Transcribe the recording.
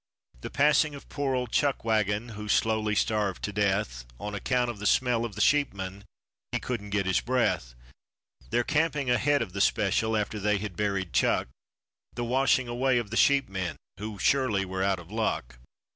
The passing of poor old Chuckwagon, who slowly starved to death, On account of the smell of the sheepmen, he couldn't get his breath; Their camping ahead of the special after they had buried Chuck, The washing away of the sheepmen, who surely were out of luck.